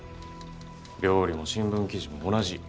料理も新聞記事も同じ。